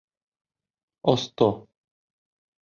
Осто!